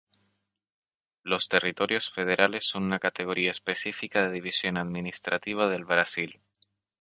Los territorios federales son una categoría específica de división administrativa del Brasil.